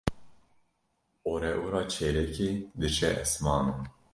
Oreora çêlekê diçe esmanan.